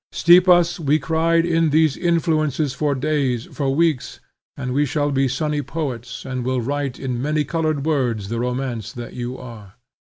Steep us, we cried, in these influences, for days, for weeks, and we shall be sunny poets and will write out in many colored words the romance that you are.